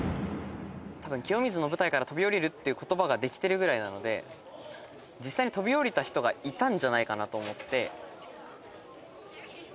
たぶん「清水の舞台から飛び降りる」っていう言葉ができてるぐらいなので実際に飛び降りた人がいたんじゃないかなと思って。